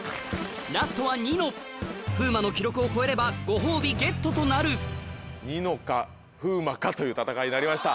ラストはニノ風磨の記録を超えればご褒美ゲットとなるニノか風磨かという戦いになりました。